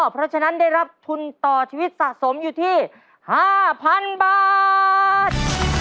เพราะฉะนั้นได้รับทุนต่อชีวิตสะสมอยู่ที่๕๐๐๐บาท